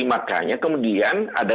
makanya kemudian ada